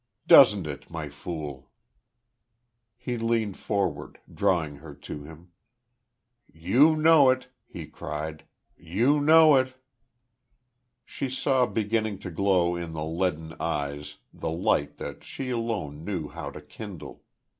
"Doesn't it, My Fool?" He leaned forward, drawing her to him. "You know it," he cried.... "You know it!" She saw beginning to glow in the leaden eyes the light that she alone knew how to kindle....